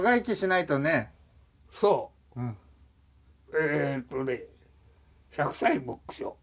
えっとね１００歳目標。